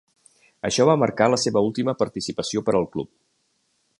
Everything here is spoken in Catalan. Això va marcar la seva última participació per al club.